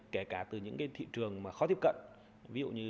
kể cả từ những thị trường phát triển tự tìm tới tăng cao so với trước đây